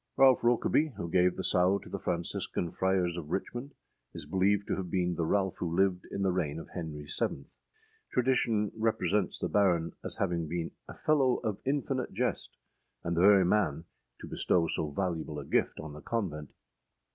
Ralph Rokeby, who gave the sow to the Franciscan Friars of Richmond, is believed to have been the Ralph who lived in the reign of Henry VII. Tradition represents the Baron as having been âa fellow of infinite jest,â and the very man to bestow so valuable a gift on the convent!